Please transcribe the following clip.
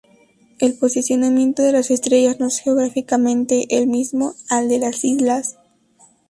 El posicionamiento de las estrellas no es geográficamente el mismo al de las islas.